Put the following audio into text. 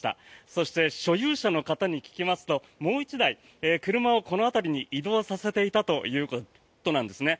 そして、所有者の方に聞きますともう１台、車をこの辺りに移動させていたということなんですね。